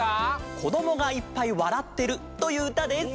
「こどもがいっぱいわらってる」といううたです。